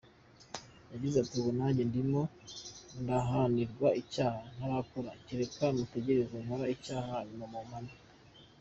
Yagize ati: "Ubu nanjye ndimo ndahanirwa icyaha ntarakora, kereka mutegereje ngakora icyaha hanyuma mukampana.